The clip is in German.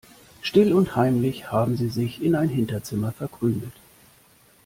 Still und heimlich haben sie sich in ein Hinterzimmer verkrümelt.